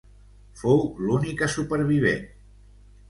Fou l'única supervivent.